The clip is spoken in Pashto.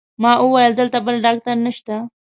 ما وویل: دلته بل ډاکټر نشته؟